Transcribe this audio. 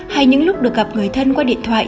hay những lúc được gặp người thân qua điện thoại